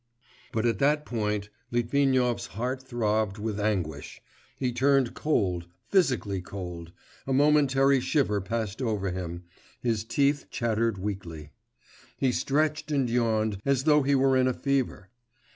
But at that point Litvinov's heart throbbed with anguish, he turned cold, physically cold, a momentary shiver passed over him, his teeth chattered weakly. He stretched and yawned, as though he were in a fever.